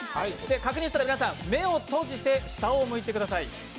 確認したら皆さん、目を閉じて下を向いてください。